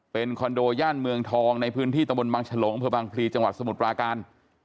เป็นคอนโดย่านเมืองทองในพื้นที่ตะบนบางฉลงอำเภอบางพลีจังหวัดสมุทรปราการ